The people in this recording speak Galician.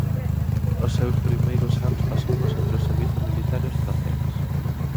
Os seus primeiros anos pasounos entre o servizo militar e os praceres.